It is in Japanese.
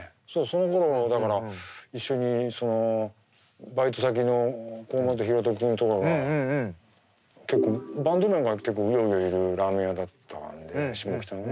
そのころはだから一緒にバイト先の甲本ヒロト君とかが結構バンドマンが結構うようよいるラーメン屋だったので下北のね。